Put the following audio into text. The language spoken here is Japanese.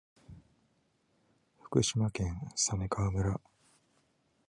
福島県鮫川村